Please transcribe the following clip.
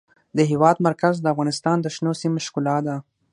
د هېواد مرکز د افغانستان د شنو سیمو ښکلا ده.